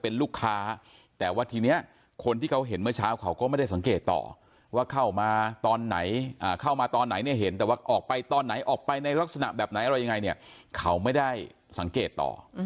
ออกไปตอนไหนออกไปในลักษณะแบบไหนอะไรยังไงเนี่ยเขาไม่ได้สังเกตต่อ